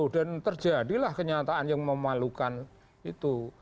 dan terjadilah kenyataan yang memalukan itu